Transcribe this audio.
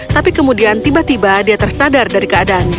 tapi kemudian tiba tiba dia tersadar dari keadaan